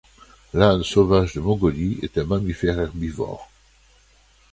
L'âne sauvage de Mongolie est un mammifère herbivore.